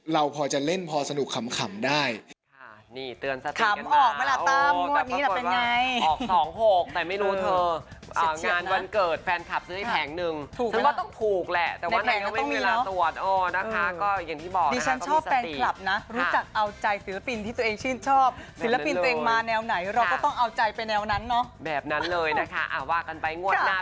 เราพอจะเล่นพอสนุกขำได้